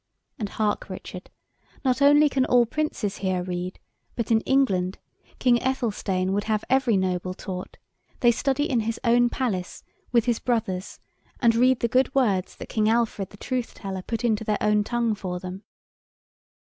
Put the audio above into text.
And hark, Richard, not only can all Princes here read, but in England, King Ethelstane would have every Noble taught; they study in his own palace, with his brothers, and read the good words that King Alfred the truth teller put into their own tongue for them."